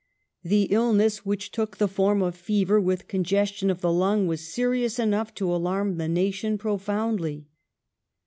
" The illness, which took the form of fever with congestion of the lung, was serious enough to alarm the na tion profoundly.